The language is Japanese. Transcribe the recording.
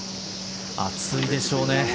暑いでしょうね。